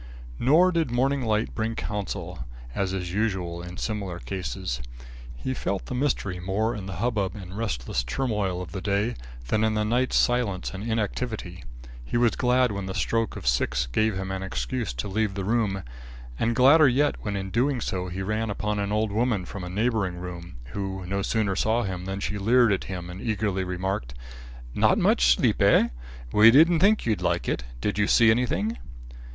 Nor did morning light bring counsel, as is usual in similar cases. He felt the mystery more in the hubbub and restless turmoil of the day than in the night's silence and inactivity. He was glad when the stroke of six gave him an excuse to leave the room, and gladder yet when in doing so, he ran upon an old woman from a neighbouring room, who no sooner saw him than she leered at him and eagerly remarked: "Not much sleep, eh? We didn't think you'd like it. Did you see anything?"